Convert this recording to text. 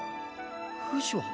フシは？